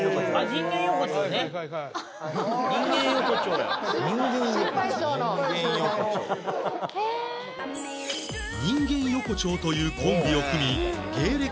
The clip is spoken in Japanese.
「人間横丁」人間横丁というコンビを組み芸歴